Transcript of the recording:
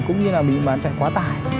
cũng như là bạn chạy quá tài